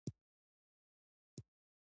پرېکړې باید سوله ییزې وي